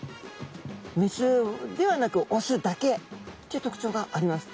メスではなくオスだけっていう特徴があります。